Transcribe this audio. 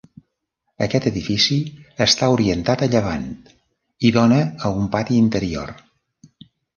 Aquest edifici està orientat a llevant i dóna a un pati interior.